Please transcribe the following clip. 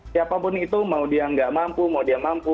siapapun itu mau dia nggak mampu mau dia mampu